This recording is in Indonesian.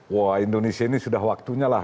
wah indonesia ini sudah waktunya lah